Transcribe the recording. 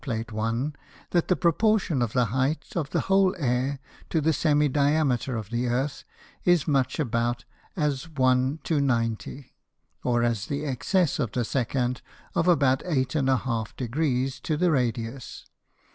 Plate 1._ that the proportion of the height of the whole Air, to the Semi diameter of the Earth, is much about, as 1 to 90, or as the excess of the Secant of about 8½ Degrees to the Radius.